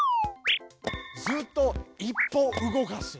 「ずっと」「１歩動かす」。